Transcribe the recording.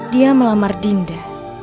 dia melamar dinda